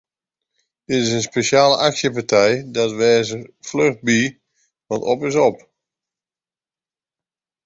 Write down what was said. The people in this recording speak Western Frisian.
Dit is in spesjale aksjepartij, dat wês der fluch by want op is op!